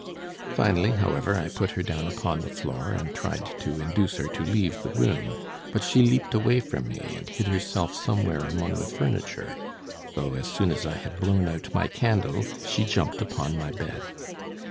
Finally, however, I put her down upon the floor, and tried to induce her to leave the room; but she leaped away from me and hid herself somewhere among the furniture, though as soon as I had blown out my candle, she jumped upon my bed.